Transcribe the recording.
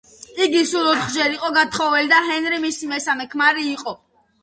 იგი სულ ოთხჯერ იყო გათხოვილი და ჰენრი მისი მესამე ქმარი იყო.